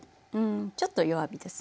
ちょっと弱火ですね。